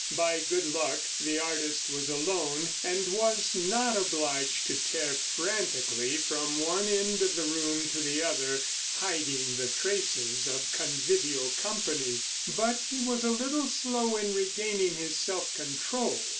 By good luck, the artist was alone, and was not obliged to tear frantically from one end of the room to the other, hiding the traces of convivial company; but he was a little slow in regaining his self control.